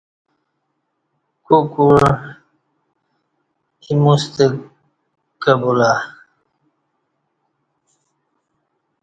کو کوع ایموستہ کہ بولا